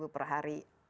seratus per hari